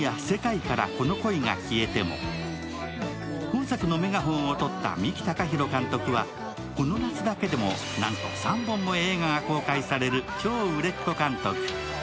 本作のメガホンを取った三木孝浩監督は、この夏だけでもなんと３本も映画が公開される超売れっ子監督。